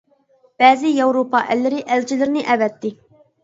بەزى ياۋروپا ئەللىرى ئەلچىلىرىنى ئەۋەتتى.